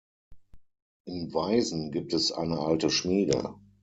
In Weisen gibt es eine alte Schmiede.